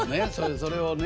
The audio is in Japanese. それをね